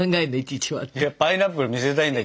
いやパイナップル見せたいんだけど。